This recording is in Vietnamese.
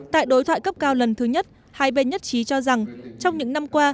tại đối thoại cấp cao lần thứ nhất hai bên nhất trí cho rằng trong những năm qua